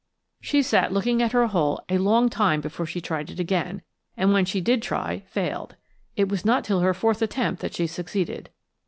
She sat looking at her hole a long time before she tried it again, and when she did try, failed. It was not till her fourth attempt that she succeeded.